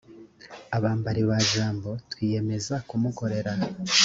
abambari ba jambo twiyemeza kumukorera